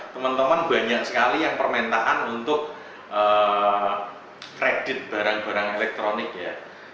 teman teman banyak sekali yang permintaan untuk kredit barang barang elektronik ya